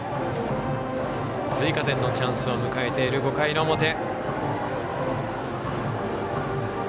追加点のチャンスを迎えている５回の表。